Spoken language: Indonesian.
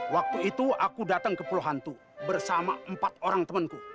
waktu itu aku datang ke pulau hantu bersama empat orang temanku